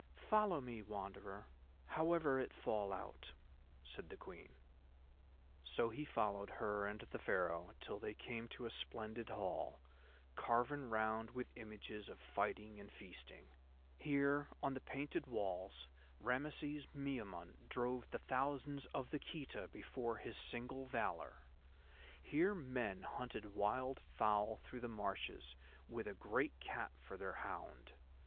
"Follow me, Wanderer, however it fall out," said the Queen. So he followed her and the Pharaoh till they came to a splendid hall, carven round with images of fighting and feasting. Here, on the painted walls, Rameses Miamun drove the thousands of the Khita before his single valour; here men hunted wild fowl through the marshes with a great cat for their hound.